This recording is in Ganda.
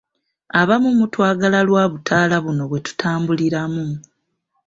Abamu mutwagala lwabutaala buno bwetutambuliramu.